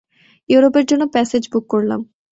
ইউরোপের জন্য passage book করলাম।